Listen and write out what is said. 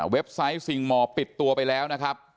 ไซต์ซิงมอร์ปิดตัวไปแล้วนะครับ